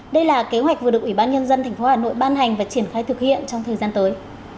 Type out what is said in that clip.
đây là kế hoạch vừa được ủy ban nhân dân tp hà nội ban hành và triển khai thực hiện trong thời gian tới